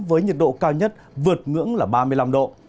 với nhiệt độ cao nhất vượt ngưỡng là ba mươi năm độ